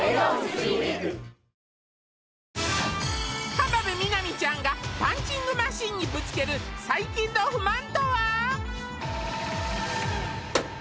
浜辺美波ちゃんがパンチングマシンにぶつける最近の不満とは！？